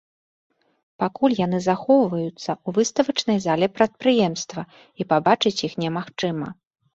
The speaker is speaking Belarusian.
Пакуль яны захоўваюцца ў выставачнай зале прадпрыемства, і пабачыць іх немагчыма.